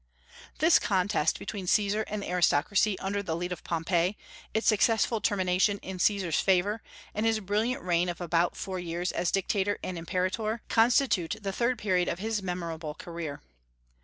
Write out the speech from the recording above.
This contest between Caesar and the aristocracy under the lead of Pompey, its successful termination in Caesar's favor, and his brilliant reign of about four years, as Dictator and Imperator, constitute the third period of his memorable career.